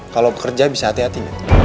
kalau bekerja bisa hati hati